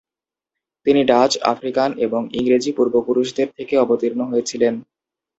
তিনি Dutch, African এবং ইংরেজি পূর্বপুরুষদের থেকে অবতীর্ণ হয়েছিলেন।